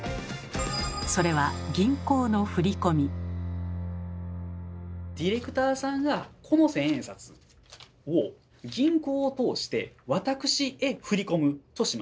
それはディレクターさんがこの千円札を銀行を通して私へ振り込むとします。